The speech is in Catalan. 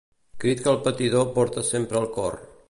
Crit que el patidor porta sempre al cor.